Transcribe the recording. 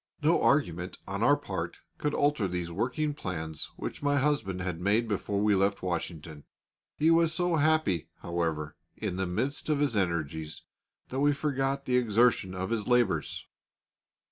No argument on our part could alter these working plans which my husband had made before we left Washington. He was so happy, however, in the midst of his energies, that we forgot the exertion of his labours.